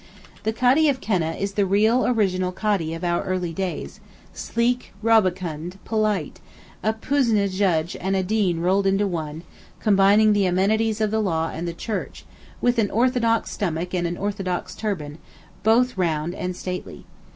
The Kadee of Keneh is the real original Kadee of our early days; sleek, rubicund, polite—a puisne judge and a dean rolled into one, combining the amenities of the law and the church—with an orthodox stomach and an orthodox turban, both round and stately.